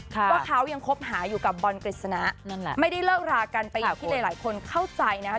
ว่าเขายังคบหาอยู่กับบอลกฤษณะนั่นแหละไม่ได้เลิกรากันไปอย่างที่หลายคนเข้าใจนะคะ